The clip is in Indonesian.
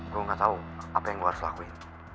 gue gak tau apa yang gue harus lakuin